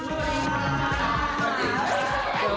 สวัสดีค่ะ